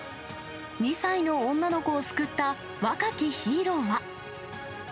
２歳の女の子を救った若きヒーローは。